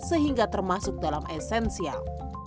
sehingga termasuk dalam esensial